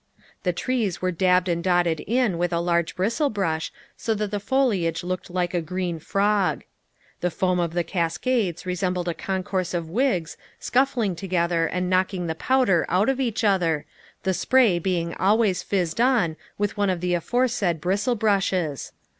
The trees were dabbed and dotted in with a large bristle brush, so that the foliage looked like a green frog. The foam of the cascades resembled a concourse of wigs, scuffling together and knocking the powder out of each other, the spray being always fizzed on with one of the aforesaid bristle brushes.